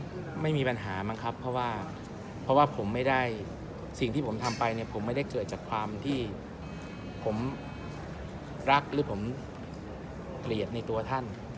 ผมไม่มีปัญหามั้งครับเพราะว่าเพราะว่าผมไม่ได้สิ่งที่ผมทำไปเนี่ยผมไม่ได้เกิดจากความที่ผมรักหรือผมเกลียดในตัวท่าน